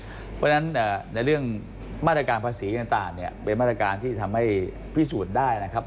เพราะฉะนั้นในเรื่องมาตรการภาษีต่างเนี่ยเป็นมาตรการที่ทำให้พิสูจน์ได้นะครับ